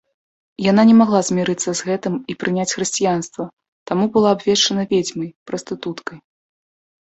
Яна не магла змірыцца з гэтым і прыняць хрысціянства, таму была абвешчана ведзьмай, прастытуткай.